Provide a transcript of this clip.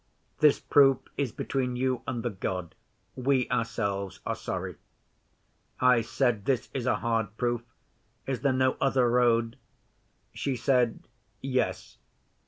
This proof is between you and the God. We ourselves are sorry." 'I said, "This is a hard proof. Is there no other road?" 'She said, "Yes.